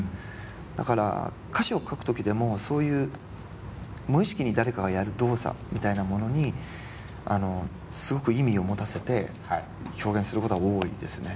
だから歌詞を書く時でもそういう無意識に誰かがやる動作みたいなものにすごく意味を持たせて表現することは多いですね。